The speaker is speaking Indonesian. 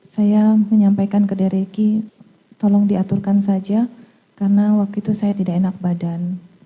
saya menyampaikan ke derekki tolong diaturkan saja karena waktu itu saya tidak enak badan